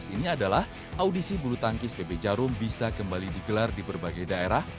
dua ribu enam belas ini adalah audisi bulu tangkis pb jarum bisa kembali digelar di berbagai daerah